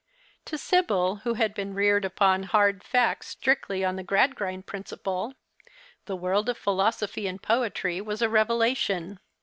To Sibyl, who had l^een reared upon hard facts strictly on the Clradgrind principle, the world of philosophy and poetry was a revelation.